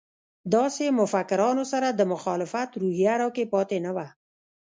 داسې مفکرانو سره د مخالفت روحیه راکې پاتې نه وه.